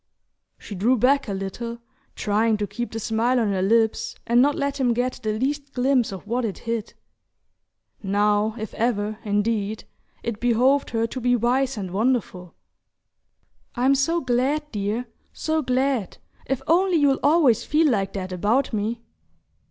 She drew back a little, trying to keep the smile on her lips and not let him get the least glimpse of what it hid. Now if ever, indeed, it behoved her to be wise and wonderful! "I'm so glad, dear; so glad. If only you'll always feel like that about me..."